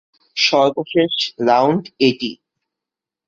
সর্বশেষ রাউন্ড এটি।